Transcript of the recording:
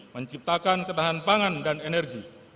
menciptakan ketahan pangan dan energi